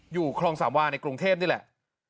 อยู่คลองสามวาในกรุงเทพนี่แหละ